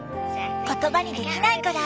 言葉にできないくらい。